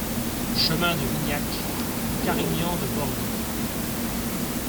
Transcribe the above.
Chemin de Vignac, Carignan-de-Bordeaux